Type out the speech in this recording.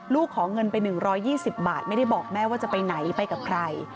ขอเงินไป๑๒๐บาทไม่ได้บอกแม่ว่าจะไปไหนไปกับใคร